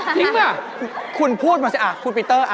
ทิ้งมาเขาพูดมาคุณมิตรอ่ะ